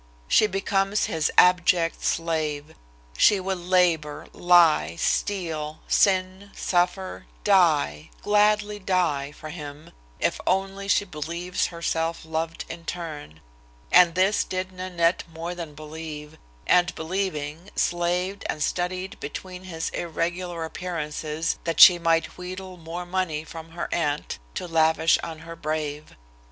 She becomes his abject slave. She will labor, lie, steal, sin, suffer, die, gladly die for him, if only she believes herself loved in turn, and this did Nanette more than believe, and believing, slaved and studied between his irregular appearances that she might wheedle more money from her aunt to lavish on her brave.